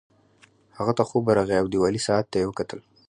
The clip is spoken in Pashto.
هغه ته خوب ورغی او دیوالي ساعت ته یې وکتل